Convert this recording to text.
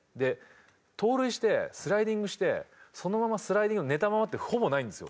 盗塁してスライディングしてそのままスライディング寝たままってほぼないんですよ。